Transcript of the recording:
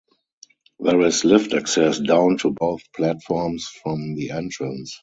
There is lift access down to both platforms from the entrance.